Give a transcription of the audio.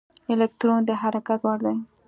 الکترون د حرکت وړ دی.